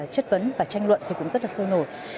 chất vấn và tranh luận thì cũng rất là sôi nổi